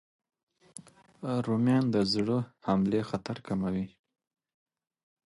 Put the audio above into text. رومیان د زړه حملې خطر کموي